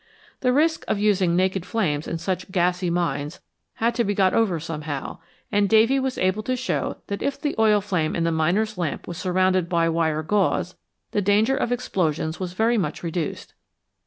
The risk of using naked flames in such " gassy " mines had to be got over somehow, and Davy was able to show that if the oil flame in the miner's lamp was surrounded by wire gauze the danger of explosions was very much reduced.